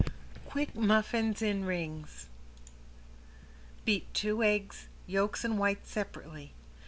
~QUICK MUFFINS IN RINGS~ Beat two eggs, yolks and whites separately.